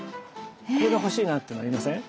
これが欲しいなっていうのありません？